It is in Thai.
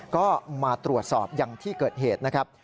ก็มาตรวจสอบอย่างที่เกิดเหตุนะครับ